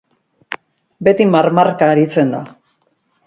Beti marmarka aritzen da.